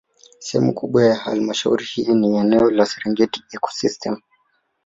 Sehemu kubwa ya Halmashauri hii ni eneo la Serengeti Ecosystem